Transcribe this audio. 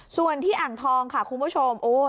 ส่วนที่อ่างทองค่ะคุณผู้ชม